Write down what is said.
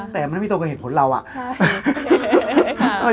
แต่มันไม่ตรงกับเหตุผลเราอะ